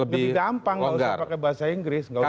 lebih gampang nggak usah pakai bahasa inggris